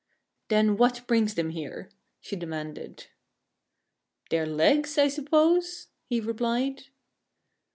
"Then what brings them here?" she demanded. "Their legs, I suppose," he replied.